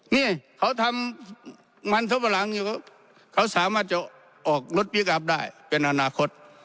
นี่เขาทำมันสับปะหลังอยู่เขาสามารถจะออกรถพลิกอัพได้เป็นอนาคต